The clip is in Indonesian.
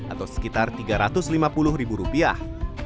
atau sekitar tiga ratus lima puluh ribu rupiah